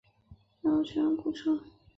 还要确认公车